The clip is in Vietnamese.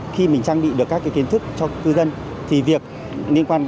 khi mình trang bị được các kiến thức cho cư dân thì việc liên quan